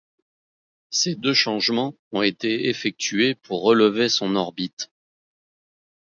Ces deux changements ont été effectués pour relever son orbite.